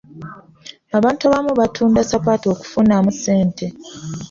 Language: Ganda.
Abantu abamu batunda ssapatu okufunamu ssente.